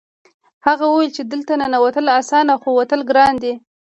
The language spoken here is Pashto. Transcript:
هغه وویل چې دلته ننوتل اسانه خو وتل ګران دي